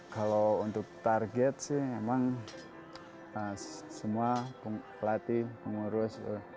kalau untuk target sih emang semua pelatih pengurus